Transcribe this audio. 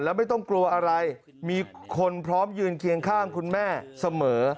แล้วไม่ต้องกลัวอะไรมีคนพร้อมยืนเคียงข้างคุณแม่เสมอ